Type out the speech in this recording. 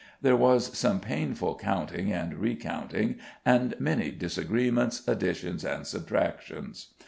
There was some painful counting and recounting, and many disagreements, additions and subtractions.